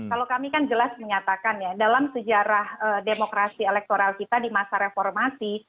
kalau kami kan jelas menyatakan ya dalam sejarah demokrasi elektoral kita di masa reformasi